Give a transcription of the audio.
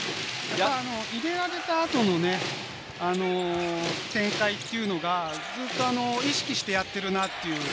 決められた後の展開というのが意識してやってるなという。